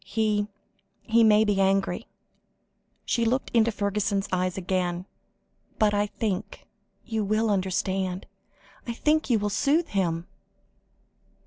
He he may be angry," she looked into Fergusson's eyes again, "but I think you will understand I think you will soothe him."